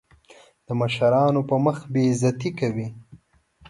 د مشرانو په مخ بې عزتي کوي.